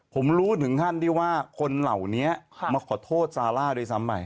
ผมรู้ถึงขั้นที่ว่าคนเหล่านี้มาขอโทษซาร่าด้วยซ้ำไป